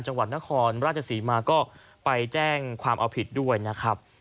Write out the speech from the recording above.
จังหวัดนครราชศรีมาก็ไปแจ้งความเอาผิดด้วยนะครับ